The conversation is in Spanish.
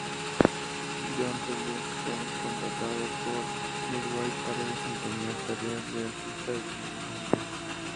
John Tobias fue contratado por Midway para desempeñar tareas de artista y dibujante.